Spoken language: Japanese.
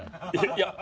いや。